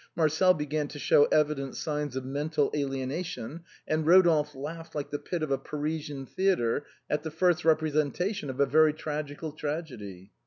Marcel began to show evident signs of mental alienation ; and Rodolphe laughed like the pit of a Parisian theatre at the first representation of a very tragical tragedy.